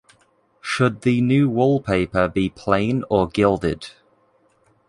Should the new wall-paper be plain or gilded?